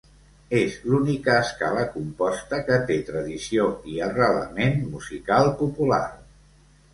És l'única escala composta que té tradició i arrelament musical popular.